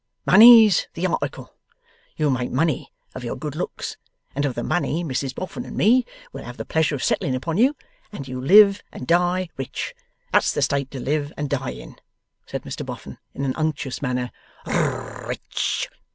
Money's the article. You'll make money of your good looks, and of the money Mrs Boffin and me will have the pleasure of settling upon you, and you'll live and die rich. That's the state to live and die in!' said Mr Boffin, in an unctuous manner. 'R r rich!